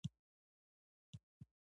پوهه د قدرت د سرغړونې مخه نیسي.